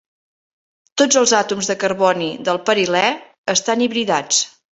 Tots els àtoms de carboni del perilè estan hibridats.